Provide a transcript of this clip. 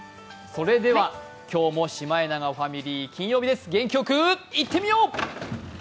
今日もシマエナガファミリー、金曜日です、元気よくいってみよう！